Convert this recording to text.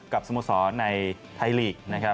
กับสมสอในไทยลีก